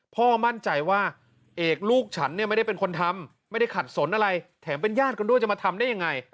พ่อมั่นใจว่าเอกลูกฉันเนี่ยไม่ได้เป็นคนทำไม่ได้ขัดสนอะไรแถมเป็นญาติกันด้วยจะมาทำได้ยังไง